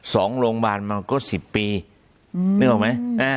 ๒โรงพยาบาลมันก็๑๐ปีนึกออกไหม